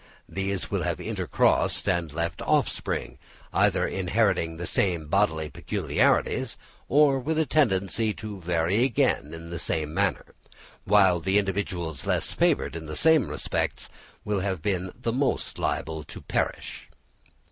These will have intercrossed and left offspring, either inheriting the same bodily peculiarities, or with a tendency to vary again in the same manner; while the individuals less favoured in the same respects will have been the most liable to perish.